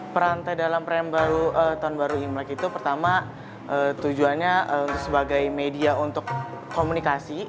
perantai dalam tahun baru imlek itu pertama tujuannya sebagai media untuk komunikasi